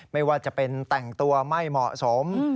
ไม่ว่าจะเป็นแต่งตัวไม่เหมาะสม